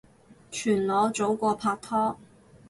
全裸早過拍拖